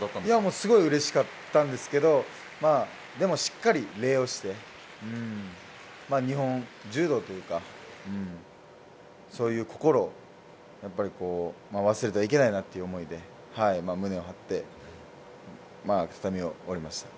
すごいうれしかったんですけど、しっかり礼をして、日本柔道というか、そういう心を忘れてはいけないなという思いで、胸を張って畳を降りました。